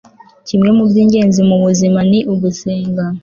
kimwe mu by'ingenzi mu buzima ni ugusenga